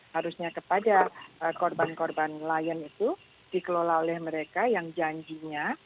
harusnya kepada korban korban lain itu dikelola oleh mereka yang janjinya